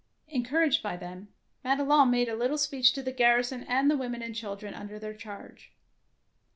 Encouraged by them, Madelon made a little speech to the garrison and the women and chil dren under their charge.